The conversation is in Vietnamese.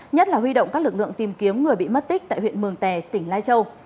nhất là huy động các lực lượng tìm kiếm người bị mất tích tại huyện mường tè tỉnh lai châu